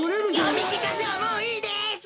よみきかせはもういいです！